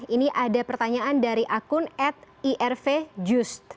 ini ada pertanyaan dari akun at irvjust